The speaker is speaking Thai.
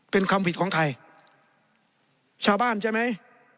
เป็นความผิดของใครชาวบ้านใช่ไหม